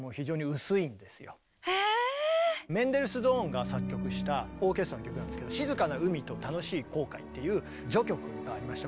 メンデルスゾーンが作曲したオーケストラの曲なんですけど「静かな海と楽しい航海」っていう序曲がありまして。